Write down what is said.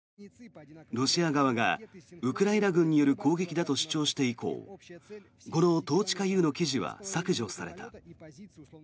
ロシア側がウクライナ軍による攻撃だと主張して以降このトーチカＵの記事は削除された。